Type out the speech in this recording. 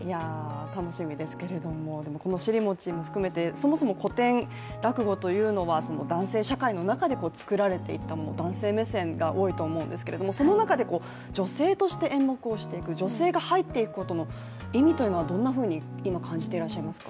楽しみですけれどもこの「尻餅」も含めてそもそも古典落語というのは、男性社会の中で作られていたものなので男性目線が多いと思うんですけれどもその中で女性として演目をしていく、女性が入っていくことの意味というのはどんなふうに感じていらっしゃいますか。